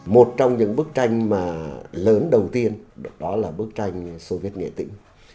một trong những bức tranh mà lớn đầu tiên đó là bức tranh soviet nghĩa tính